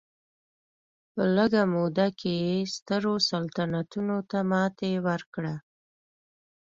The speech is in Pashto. په لږه موده کې یې سترو سلطنتونو ته ماتې ورکړه.